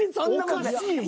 おかしいよ。